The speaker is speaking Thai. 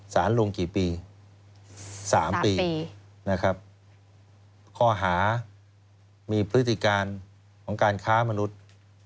สารลงกี่ปี๓ปีนะครับข้อหามีพฤติการของการค้ามนุษย์